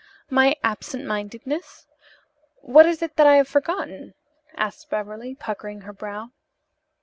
"My absent mindedness? What is it that I have forgotten?" asked Beverly, puckering her brow.